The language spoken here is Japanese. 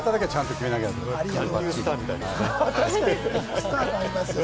スター感ありますよ。